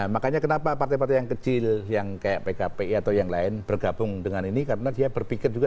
makanya kenapa partai partai yang kecil yang kayak pkpi atau yang lain bergabung dengan ini karena dia berpikir juga